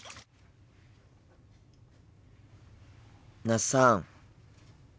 那須さん。